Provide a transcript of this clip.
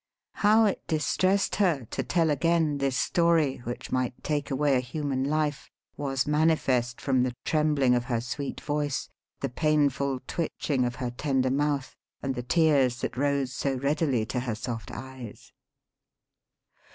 How it distressed her, to tell again this story which might take away a human life, was manifest from the trembling of her sweet voice, the painful twitching of her tender mouth, and the tears that rose so readily to her soft eyes.